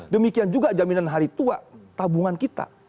demikian juga jaminan hari tua tabungan kita